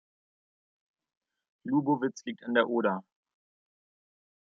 Lubowitz liegt an der Oder.